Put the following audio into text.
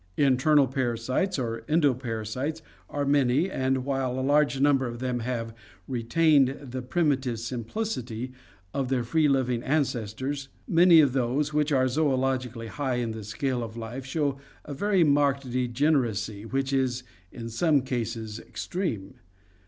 Internal parasites or endoparasites are many, and while a large number of them have retained the primitive simplicity of their free living ancestors, many of those which are zoSlogically high in the scale of life show a very marked degeneracy which is in some cases extreme.